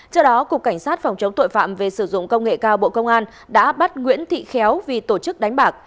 trước đó cục cảnh sát phòng chống tội phạm về sử dụng công nghệ cao bộ công an đã bắt nguyễn thị khéo vì tổ chức đánh bạc